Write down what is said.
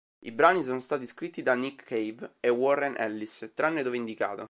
I brani sono stati scritti da Nick Cave e Warren Ellis, tranne dove indicato.